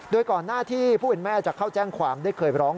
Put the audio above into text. โดยก่อนหน้าที่ผู้เป็นแม่จะเข้าแจ้งความได้เคยร้อง